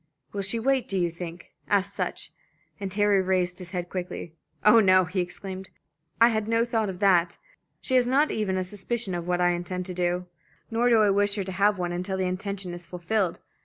"Will she wait, do you think?" asked Sutch; and Harry raised his head quickly. "Oh, no," he exclaimed, "I had no thought of that. She has not even a suspicion of what I intend to do. Nor do I wish her to have one until the intention is fulfilled.